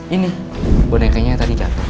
ini bonekanya yang tadi jatuh